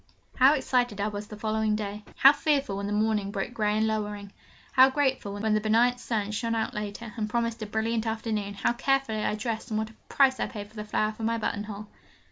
How excited I was the following day: how fearful, when the morning broke grey and lowering: how grateful, when the benignant sun shone out later, and promised a brilliant afternoon: how carefully I dressed, and what a price I paid for the flower for my buttonhole!